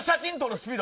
スピード